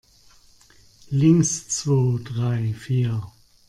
Links, zwo, drei, vier!